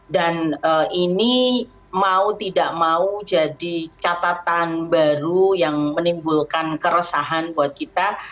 dan ini mau tidak mau jadi catatan baru yang menimbulkan keresahan buat kita